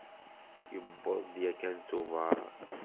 Yewweḍ-d yakan Tubeṛ.